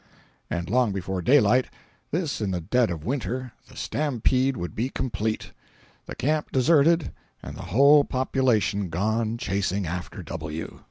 And long before daylight—this in the dead of Winter—the stampede would be complete, the camp deserted, and the whole population gone chasing after W.